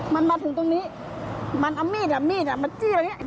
มันมาถึงตรงนี้มันเอามีดอะมีดอะมันจี้อะไรเงี้ย